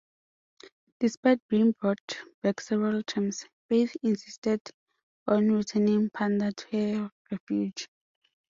Despite being brought back several times, Faith insisted on returning Panda to her refuge.